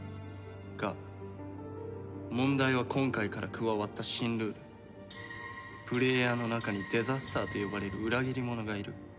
が問題は今回から加わった新ルールプレイヤーの中にデザスターと呼ばれる裏切り者がいる。